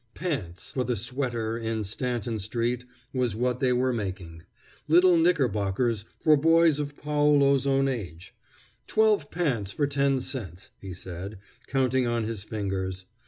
"Pants" for the sweater in Stanton street was what they were making; little knickerbockers for boys of Paolo's own age. "Twelve pants for ten cents," he said, counting on his fingers.